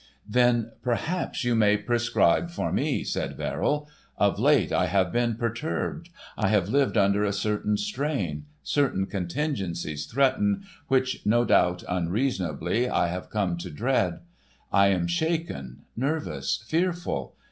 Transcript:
"Then perhaps you may prescribe for me," said Verrill. "Of late I have been perturbed. I have lived under a certain strain, certain contingencies threaten, which, no doubt unreasonably, I have come to dread. I am shaken, nervous, fearful.